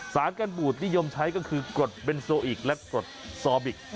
สารกันบูดนิยมใช้ก็คือกรดเบนโซอิกและกรดซอบิก